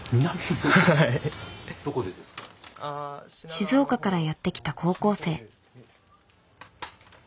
静岡からやって来た高校生。